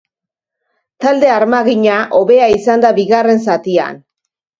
Talde armagina hobea izan da bigarren zatian.